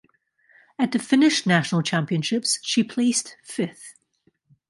At the Finnish national championships she placed fifth.